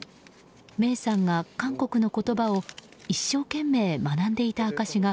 芽生さんが韓国の言葉を一生懸命学んでいた証しが